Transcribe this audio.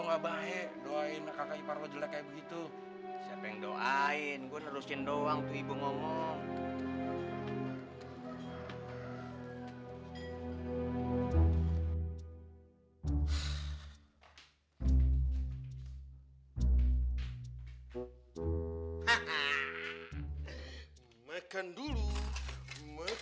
nggak baik doain kakak ipar lo jelek kayak begitu siapa yang doain gue harusin doang tuh ibu ngomong